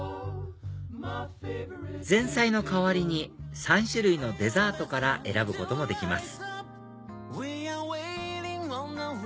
前菜の代わりに３種類のデザートから選ぶこともできます